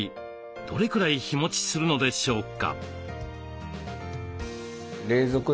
どれくらい日もちするのでしょうか？